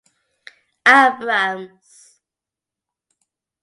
Abrams.